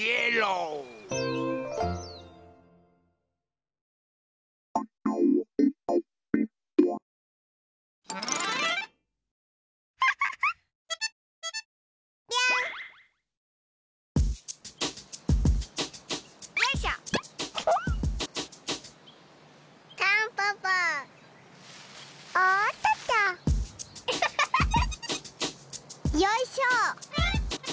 よいしょ！